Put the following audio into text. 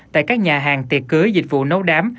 tại các nhà hàng tiệc cưới dịch vụ nấu đám